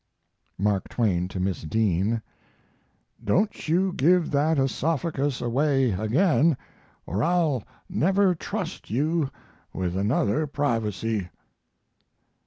Mark Twain to Miss Dean: Don't you give that oesophagus away again or I'll never trust you with another privacy!